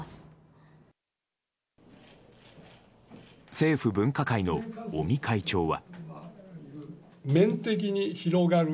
政府分科会の尾身会長は。